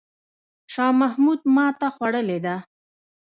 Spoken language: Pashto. شاه محمود ماته خوړلې ده.